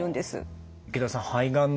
池田さん